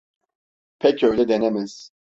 Pek öyle denemez.